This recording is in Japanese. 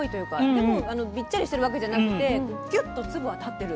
でもびっちゃりしてるわけじゃなくてこうキュッと粒が立ってる。